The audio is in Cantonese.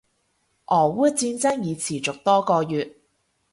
俄烏戰爭已持續多個月